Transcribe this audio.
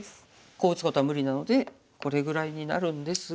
こう打つことは無理なのでこれぐらいになるんですが。